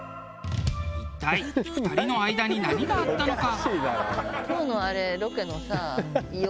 一体２人の間に何があったのか？